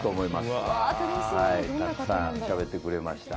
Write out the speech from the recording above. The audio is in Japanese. たくさんしゃべってくれました。